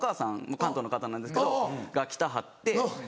関東の方なんですけど来てはって。